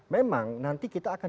memang nanti kita akan